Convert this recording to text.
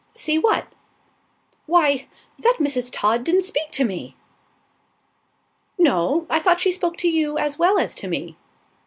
"See what?" "Why, that Mrs. Todd didn't speak to me." "No. I thought she spoke to you as well as to me."